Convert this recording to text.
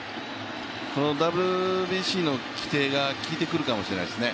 ＷＢＣの規定が効いてくるかもしれないですね。